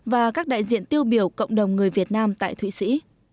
và các đại diện tiêu biểu cộng đồng người việt nam tại thụy sĩ